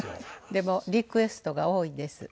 でもリクエストが多いんです。